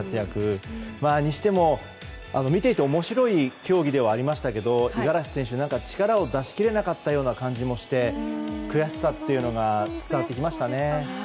それにしても、見ていて面白い競技ではありましたが五十嵐選手が力を出し切れなかったような感じもして悔しさっていうのが伝わりましたね。